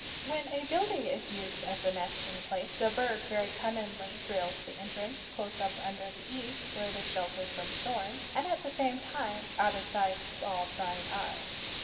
When a building is used as a nesting place, the bird very cunningly drills the entrance close up under the eaves, where it is sheltered from storms, and at the same time out of sight of all prying eyes.